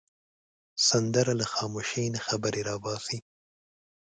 سندره له خاموشۍ نه خبرې را باسي